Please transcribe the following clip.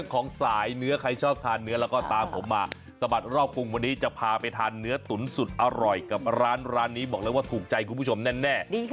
ของสายเนื้อใครชอบทานเนื้อแล้วก็ตามผมมาสะบัดรอบกรุงวันนี้จะพาไปทานเนื้อตุ๋นสุดอร่อยกับร้านนี้บอกเลยว่าถูกใจคุณผู้ชมแน่